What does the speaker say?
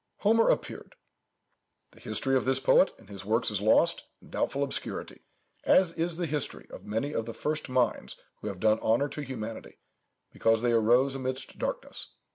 "Homer appeared. The history of this poet and his works is lost in doubtful obscurity, as is the history of many of the first minds who have done honour to humanity, because they rose amidst darkness.